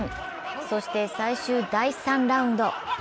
そして最終第３ラウンド。